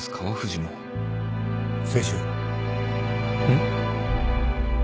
ん？